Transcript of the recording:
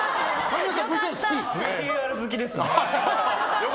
ＶＴＲ好きですか。